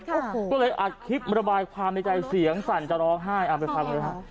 ก็เลยอัดคลิประบายความในใจเสียงสั่นจะร้องไห้เอาไปฟังเลยฮะ